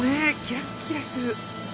キラッキラしてる！